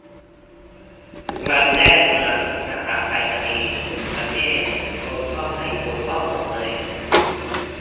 มันแยกเมือง รหัสไปรษณีย์ ประเทศ ลงช่องให้ถูกต้องหมดเลย